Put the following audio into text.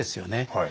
はい。